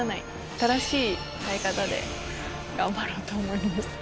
新しい耐え方で頑張ろうと思いま